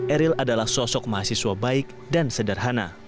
eril adalah sosok mahasiswa baik dan sederhana